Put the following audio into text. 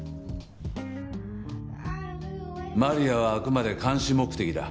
マリアはあくまで監視目的だ。